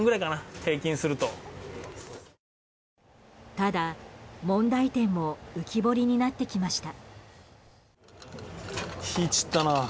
ただ、問題点も浮き彫りになってきました。